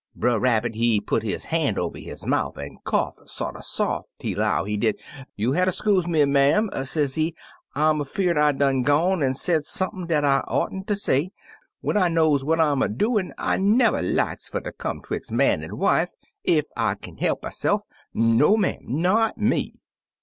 Brer Rabbit, he put his han' over his mouf an' cough sorter sof; he 'low, he did, 'You'll hatter skuzen me, ma'am,' sezee. * I 'm afear'd I done gone an' said sump'n dat I oughtn'ter say. When I knows what I'm a doin', I never likes fer ter come 'twix' man. an' wife, ef I kin he'p myse'f — no, ma'am, not me!